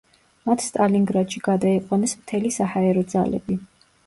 მათ სტალინგრადში გადაიყვანეს მთელი საჰაერო ძალები.